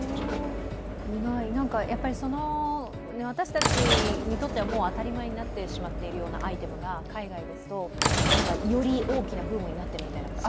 意外、私たちにとってはもう当たり前になってしまっているようなアイテムが海外ですとより大きなブームになっているみたいな。